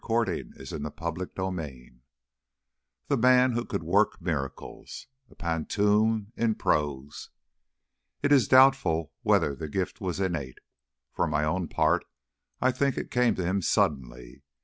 The Man Who Could Work Miracles THE MAN WHO COULD WORK MIRACLES A PANTOUM IN PROSE It is doubtful whether the gift was innate. For my own part, I think it came to him suddenly.